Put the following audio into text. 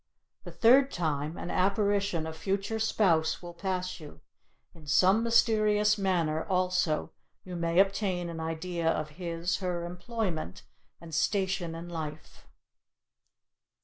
The third time an apparition of future spouse will pass you; in some mysterious manner, also, you may obtain an idea of his (her) employment and station in life.